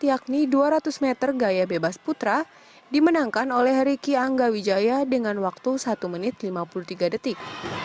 yakni dua ratus meter gaya bebas putra dimenangkan oleh riki angga wijaya dengan waktu satu menit lima puluh tiga detik